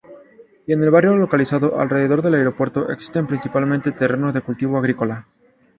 Y en el barrio localizado alrededor del aeropuerto existen principalmente terrenos de cultivo agrícola.